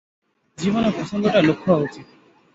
জীবনে পছন্দটাই লক্ষ হওয়া উচিত।